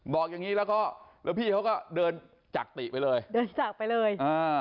บอกอย่างนี้แล้วก็พี่เขาก็เดินจากติไปเลย